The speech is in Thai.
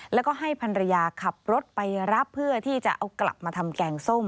แล้วก็ให้พันรยาขับรถไปรับเพื่อที่จะเอากลับมาทำแกงส้ม